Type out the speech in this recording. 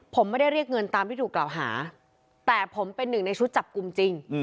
ผมไม่ได้เรียกเงินตามที่ถูกกล่าวหาแต่ผมเป็นหนึ่งในชุดจับกลุ่มจริง